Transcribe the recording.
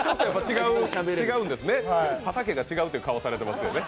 違うんですね、畑が違うっていう顔されていますよね。